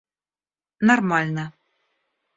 нормально